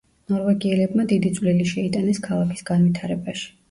ნორვეგიელებმა დიდი წვლილი შეიტანეს ქალაქის განვითარებაში.